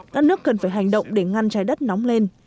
các nước cần phải hành động để ngăn trái đất nóng lên